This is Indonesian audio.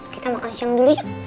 kita makan siang dulu ya